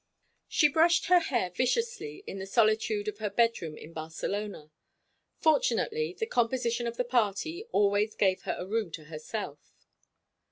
IV She brushed her hair viciously in the solitude of her bedroom in Barcelona; fortunately, the composition of the party always gave her a room to herself.